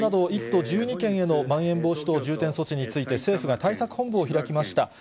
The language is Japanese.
東京など、１都１２県へのまん延防止等重点措置について、政府が対策本部を開きました。